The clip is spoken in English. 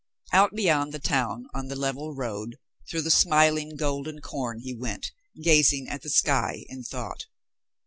Out beyond the town on the level road, through the smiling, golden corn, he went, gazing at the sky in thought.